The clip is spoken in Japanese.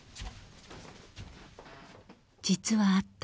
［実はあった］